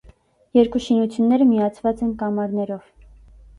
Երկու շինությունները միացված են կամարներով։